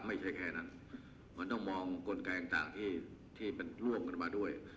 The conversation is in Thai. ไม่ใช่แค่นั้นมันต้องมองกลไกต่างที่มันร่วมกันมาด้วย